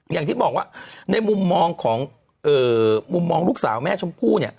อย่างที่บอกว่าในมุมมองลูกสาวแม่ชมพู่